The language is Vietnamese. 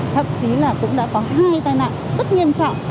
thậm chí là cũng đã có hai tai nạn rất nghiêm trọng